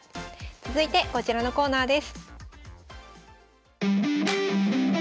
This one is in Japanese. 続いてこちらのコーナーです。